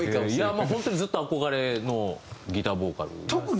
まあ本当にずっと憧れのギターボーカルです。